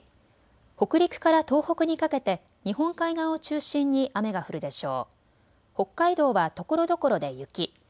北陸から東北にかけて日本海側を中心に雨が降るでしょう。